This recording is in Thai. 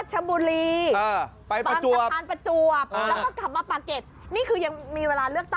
เดี๋ยว